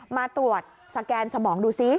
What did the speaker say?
มาตรวจสแกนสมองดูซิ